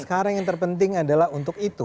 sekarang yang terpenting adalah untuk itu